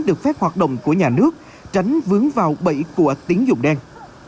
được phép hoạt động của nhà nước tránh vướng vào bẫy của tín dụng đen